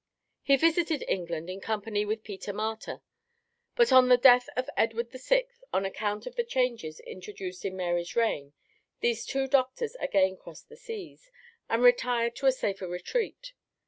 He visited England in company with Peter Martyr, but on the death of Edward VI., on account of the changes introduced in Mary's reign these two doctors again crossed the seas, and retired to a safer retreat.